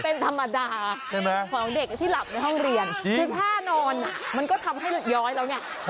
เป็นธรรมดาของเด็กที่หลับในห้องเรียนคือถ้านอนมันก็ทำให้อย้อยแล้วเนี่ย